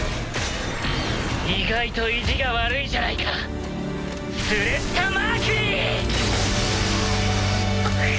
意外と意地が悪いじゃないかスレッタ・マーキュリー！ガキン！